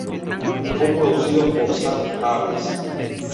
Fue producido por Sam Harris.